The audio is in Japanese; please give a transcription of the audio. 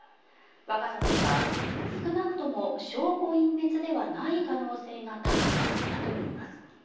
若狭さんは少なくとも証拠隠滅ではない可能性が高くなったといいます。